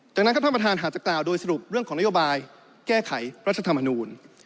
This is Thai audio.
จากนั้นครับท่านประธานหากจะกล่าวโดยสรุปเรื่องของนโยบายแก้ไขรัฐธรรมนูล